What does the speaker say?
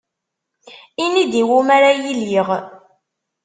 Ini-d, iwumi ara iliɣ?